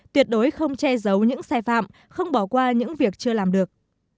tuyệt đối không che giấu những sai phạm không bỏ qua những việc chưa làm được